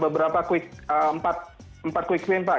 beberapa empat quick win pak